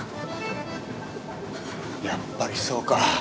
やっぱりそうか。